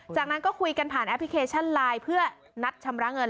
จากนั้นก็คุยกันผ่านแอปพลิเคชันไลน์เพื่อนัดชำระเงิน